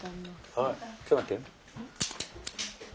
はいちょっと待って。